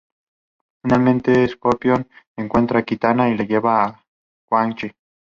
Finalmente Scorpion encuentra a Kitana y la lleva con Quan Chi.